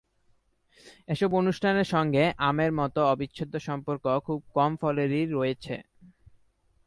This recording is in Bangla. এসব অনুষ্ঠানের সঙ্গে আমের মতো অবিচ্ছেদ্য সম্পর্ক খুব কম ফলেরই রয়েছে।